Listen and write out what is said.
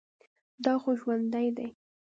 دا خو ژوندى دى.